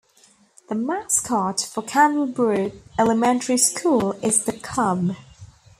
The mascot for Candlebrook Elementary school is the Cub.